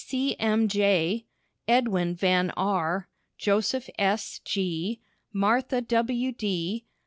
C. M. J., Edwin Van R., Joseph S. G., Martha W. D.